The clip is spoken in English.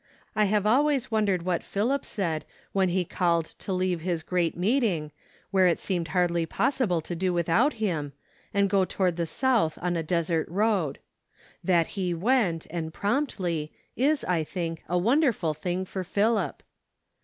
I have always wondered what Philip said when called to leave his great meeting, where it seemed hardly possible to do without him, and go toward the south on a desert road. That he went, and promptly, is, I think, a wonderful thing for Philip.